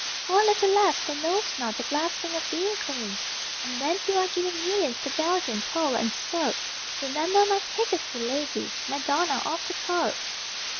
Poor little lass, who knows not The blessing of being clean. And when you are giving millions To Belgian, Pole and Serb, Remember my pitiful lady Madonna of the Curb!